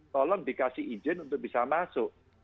tolong dikasih izin untuk bisa masuk